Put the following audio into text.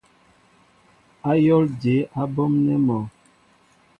Ayól jeé á ɓɔmnέ mɔ ?